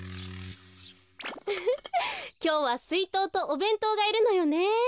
きょうはすいとうとおべんとうがいるのよね。